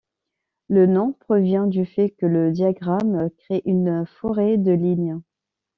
Le nom provient du fait que le diagramme crée une forêt de lignes.